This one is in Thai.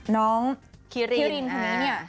น้องคิรินคนนี้เนี่ย